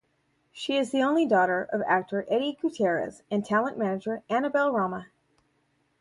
She is the only daughter of actor, Eddie Gutierrez and talent manager, Annabelle Rama.